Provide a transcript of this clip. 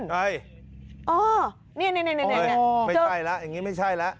นี่ไม่ใช่แล้วอย่างนี้ไม่ใช่แล้ว